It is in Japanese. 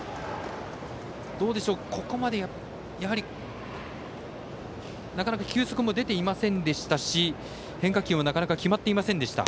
ここまで、なかなか球速も出ていませんでしたし変化球もなかなか決まっていませんでした。